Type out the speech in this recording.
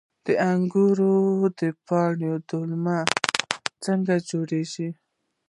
د انګورو د پاڼو دلمه څنګه جوړیږي؟